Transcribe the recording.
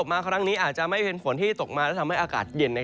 มาครั้งนี้อาจจะไม่เป็นฝนที่ตกมาและทำให้อากาศเย็น